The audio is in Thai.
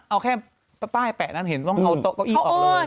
เอาแค่ป้ายแปะนั่นเห็นไม๊ก็ต้องเอาเต้าก้วยออกเลย